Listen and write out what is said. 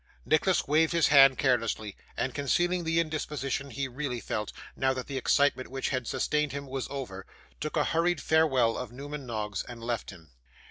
Nicholas waved his hand carelessly, and concealing the indisposition he really felt, now that the excitement which had sustained him was over, took a hurried farewell of Newman Noggs, and left him.